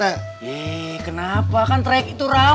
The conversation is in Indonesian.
yee kenapa kan track itu rambut